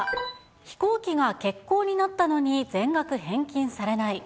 飛行機が欠航になったのに全額返金されない。